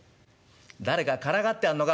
誰かからかってやんのか？